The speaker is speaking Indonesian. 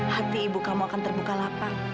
hati ibu kamu akan terbuka lapar